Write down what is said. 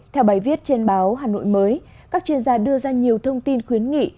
theo bài viết trên báo hà nội mới các chuyên gia đưa ra nhiều thông tin khuyến nghị